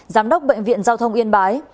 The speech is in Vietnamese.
giám đốc bệnh viện giao thông yên bái